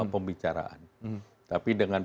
pembicaraan tapi dengan